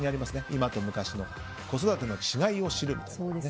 今と昔の子育ての違いを知る。